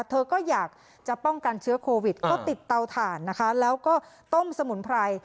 เธอก็อยากจะป้องกันเชื้อโควิดก็ติดเตาถ่านนะคะแล้วก็ต้มสมุนไพร